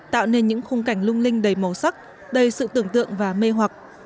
tạo nên những khung cảnh lung linh đầy màu sắc đầy sự tưởng tượng và mê hoặc